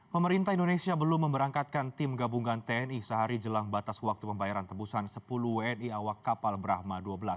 pemerintah indonesia belum memberangkatkan tim gabungan tni sehari jelang batas waktu pembayaran tebusan sepuluh wni awak kapal brahma dua belas